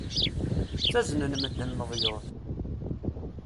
Ttaznen medden leḍyur.